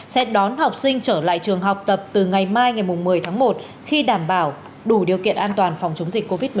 sẽ đón học sinh trở lại trường học tập từ ngày mai ngày một mươi tháng một khi đảm bảo đủ điều kiện an toàn phòng chống dịch covid một mươi chín